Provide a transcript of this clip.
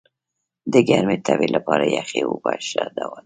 د ګرمي تبي لپاره یخي اوبه ښه دوا ده.